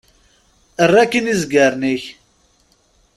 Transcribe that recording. Err akkin izgaren-ik!